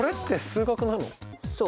そう。